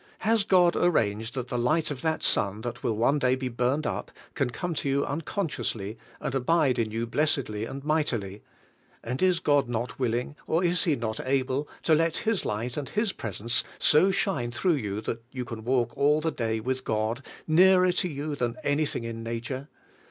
Has God arranged that the light of that sun that will one day be burned up, can come to you unconsciously and abide in you blessedly and mightily; and is God not willing, or is He not able, to let His light and His pres ence so shine through you that you can walk all the day with God nearer to 3^ou than anything in nature?